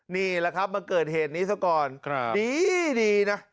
นี่แหละครับมาเกิดเหตุนี้ซะก่อนดีนะ